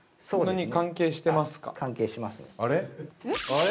◆あれ？